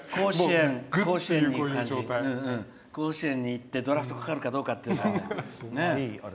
甲子園に行ってドラフトかかるかどうか。